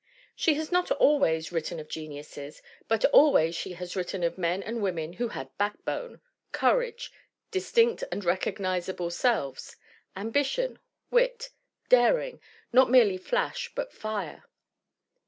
She has not always written of geniuses, but always she has written of men and women who had backbone, courage, distinct and recognizable selves, ambition, wit, daring, not merely flash but fire.